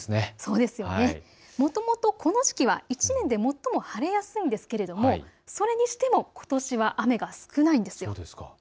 もともとこの時期は１年で最も晴れやすいんですけれどもそれにしてもことしは雨が少ないです。